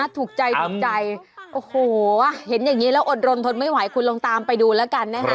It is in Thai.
ถูกใจถูกใจโอ้โหเห็นอย่างนี้แล้วอดรนทนไม่ไหวคุณลองตามไปดูแล้วกันนะคะ